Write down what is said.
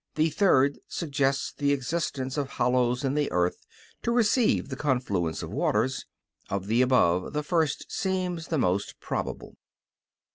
The third suggests the existence of hollows in the earth, to receive the confluence of waters. Of the above the first seems the most probable.